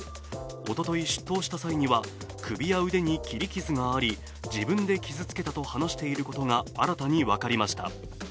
おととい出頭した際には首や腕に切り傷があり自分で傷つけたと話していることが新たに分かりました。